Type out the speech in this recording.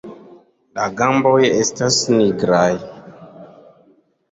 La gamboj estas nigraj.